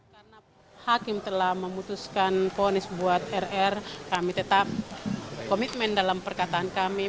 karena hakim telah memutuskan ponis buat rr kami tetap komitmen dalam perkataan kami